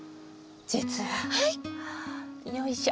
じつはよいしょ。